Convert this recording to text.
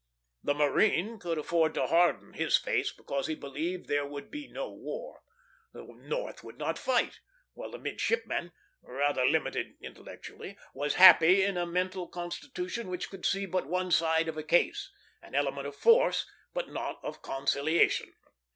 The marine could afford to harden his face, because he believed there would be no war the North would not fight; while the midshipman, rather limited intellectually, was happy in a mental constitution which could see but one side of a case; an element of force, but not of conciliation.